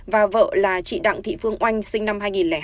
và vợ là chị đặng thị phương oanh sinh năm hai nghìn hai